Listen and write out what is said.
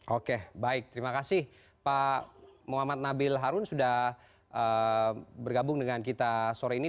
oke baik terima kasih pak muhammad nabil harun sudah bergabung dengan kita sore ini